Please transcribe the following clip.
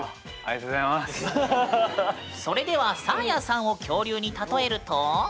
それではサーヤさんを恐竜に例えると？